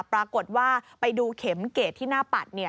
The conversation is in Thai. ปรากฏว่าไปดูเข็มเกรดที่หน้าปัด